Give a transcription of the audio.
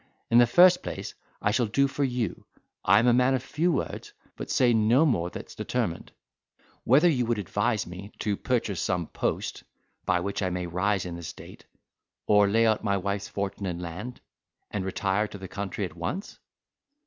In the first place, I shall do for you. I'm a man of few words— but say no more that's determined; whether would you advise me, to purchase some post, by which I may rise in the state, or lay out my wife's fortune in land, and retire to the country at once?"